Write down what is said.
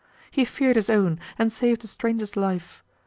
He fear'd his own, and sav'd a stranger's life!